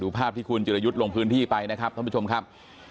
ภาพที่คุณจิรยุทธ์ลงพื้นที่ไปนะครับท่านผู้ชมครับ